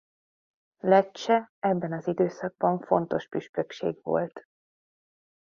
Lecce ebben az időszakban fontos püspökség volt.